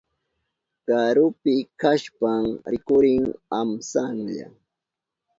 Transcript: Karupi kashpan rikurin amsanlla.